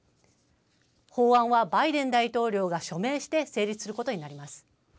法案はバイデン大統領が署名して成立することになります。